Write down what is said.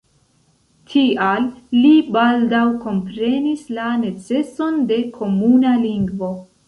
Tial li baldaŭ komprenis la neceson de komuna lingvo.